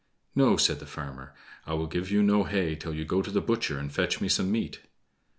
"No," says the farmer, "I'll give you no hay till you go to the butcher and fetch me some meat."